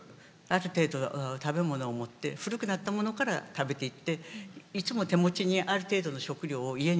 ある程度食べ物を持って古くなったものから食べていっていつも手持ちにある程度の食料を家に備えておくとかね。